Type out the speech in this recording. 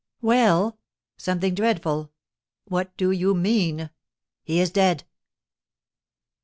"Well?" "Something dreadful!" "What do you mean?" "He is dead!"